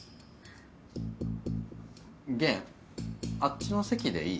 弦あっちの席でいい？